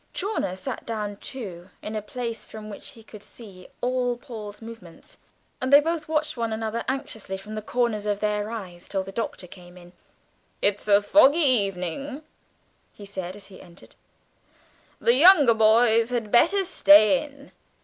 Chawner sat down too, in a place from which he could see all Paul's movements, and they both watched one another anxiously from the corners of their eyes till the Doctor came in. "It's a foggy evening," he said as he entered: "the younger boys had better stay in.